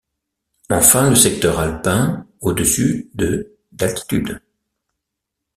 Enfin, le secteur alpin au-dessus de d'altitude.